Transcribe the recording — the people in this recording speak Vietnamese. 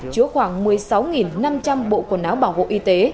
chứa khoảng một mươi sáu năm trăm linh bộ quần áo bảo hộ y tế